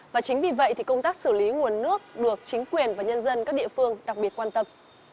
và chính vì vậy thì công tác xử lý nguồn nước được chính quyền và nhân dân các địa phương đặc biệt quan tâm